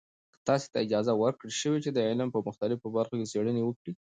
تاسې ته اجازه ورکړل شوې چې د علم په مختلفو برخو کې څیړنې وکړئ.